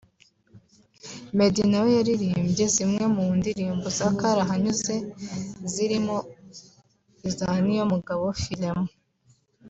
Meddy na we yaririmbye zimwe mu ndirimbo za karahanyuze zirimo iza Niyomugabo Philemon